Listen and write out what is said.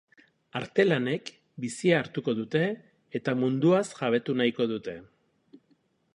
Artelanek bizia hartuko dute eta munduaz jabetu nahiko dute.